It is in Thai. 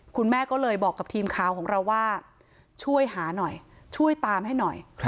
คุณแม่ก็เลยบอกกับทีมข่าวของเราว่าช่วยหาหน่อยช่วยตามให้หน่อย